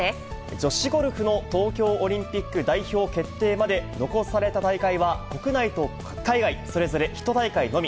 女子ゴルフの東京オリンピック代表決定まで、残された大会は国内と海外それぞれ１大会のみ。